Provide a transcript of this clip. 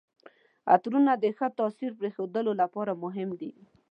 عطرونه د ښه تاثر پرېښودو لپاره مهم دي.